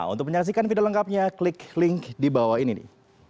untuk menyaksikan video lengkapnya klik link di bawah ini nih